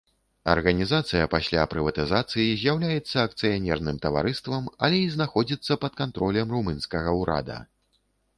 Арганізацыя пасля прыватызацыі з'яўляецца акцыянерным таварыстам, але і знаходзіцца пад кантролем румынскага ўрада.